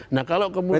nah kalau kemudian